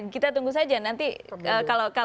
kita tunggu saja